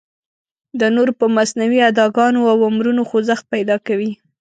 د نورو په مصنوعي اداګانو او امرونو خوځښت پیدا کوي.